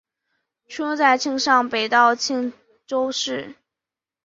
出生在庆尚北道庆州市。